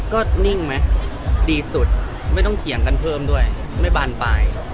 ก็นิ่งไหมดีสุดไม่ต้องเถียงกันเพิ่มด้วยไม่บานปลาย